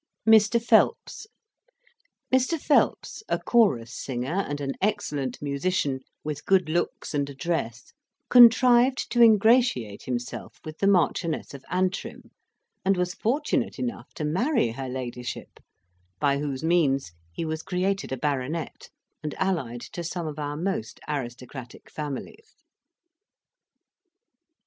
Mr. PHELPS Mr. Phelps, a chorus singer, and an excellent musician, with good looks and address, contrived to ingratiate himself with the Marchioness of Antrim, and was fortunate enough to marry her ladyship, by whose means he was created a baronet, and allied to some of our most aristocratic families.